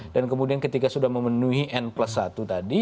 dan kemudian ketika sudah memenuhi n plus satu tadi